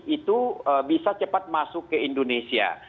itu bisa cepat masuk ke indonesia